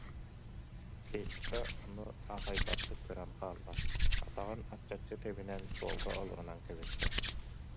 Петька ону аахайбаттык көрөн хаалла, атаҕын аччаччы тэбинэн, суолга олорунан кэбистэ.